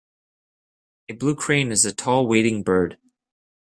A blue crane is a tall wading bird.